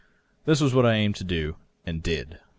This was what I aimed to do, and did.